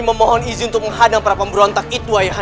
semoga allah subhanahu wa ta'ala